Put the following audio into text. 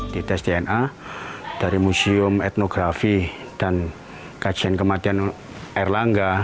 di tes dna dari museum etnografi dan kajian kematian erlangga